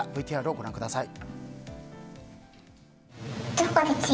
ＶＴＲをご覧ください。